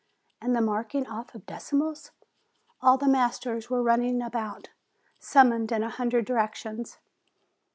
And the marking off of decimals ?" All the masters were running about, summoned in a hundred directions.